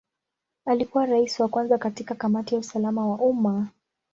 Alikuwa Rais wa kwanza katika Kamati ya usalama wa umma.